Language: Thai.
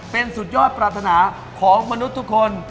เป็นสุดยอดปรารถนาของมนุษย์ทุกคน